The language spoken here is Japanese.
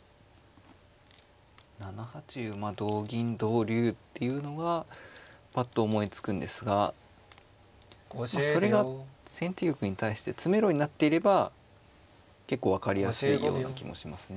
７八馬同銀同竜っていうのがぱっと思いつくんですがそれが先手玉に対して詰めろになっていれば結構分かりやすいような気もしますね。